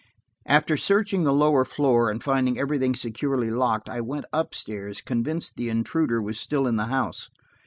After searching the lower floor, and finding everything securely locked, I went up stairs, convinced the intruder was still in the house.